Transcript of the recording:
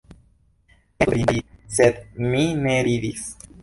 Mi estus devinta ridi, sed mi ne ridis.